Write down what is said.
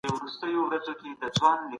دا زده کړه له هغې ګټوره ده.